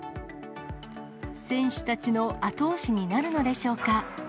選手たちの後押しになるのでしょうか。